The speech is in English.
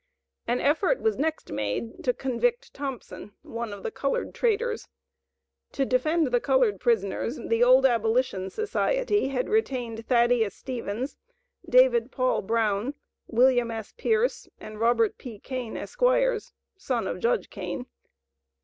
An effort was next made to convict Thompson, one of the colored "traitors." To defend the colored prisoners, the old Abolition Society had retained Thaddeus Stevens, David Paul Brown, William S. Pierce, and Robert P. Kane, Esqs., (son of Judge Kane).